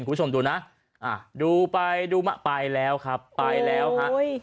คุณผู้ชมดูนะอ่ะดูไปดูมาไปแล้วครับไปแล้วฮะ